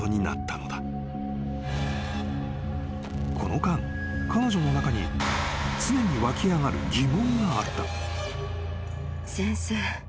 ［この間彼女の中に常に湧き上がる疑問があった］